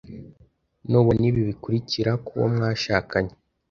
nubona ibi bikurikira kuwo mwashakanye